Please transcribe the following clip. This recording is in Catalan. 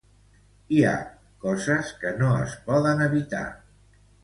Hi ha coses que no es poden evitar.